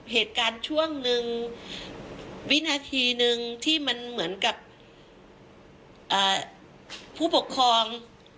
เหตุการณ์ช่วงหนึ่งวินาทีหนึ่งที่มันเหมือนกับผู้ปกครอง